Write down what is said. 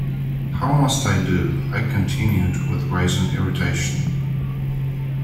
‘How must I do?’ I continued, with rising irritation.